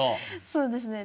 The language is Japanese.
そうですね。